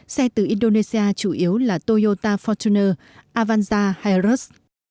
xe từ indonesia chủ yếu là toyota fortuner avanza hay rus